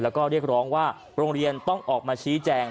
แล้วก็เรียกร้องว่าโรงเรียนต้องออกมาชี้แจง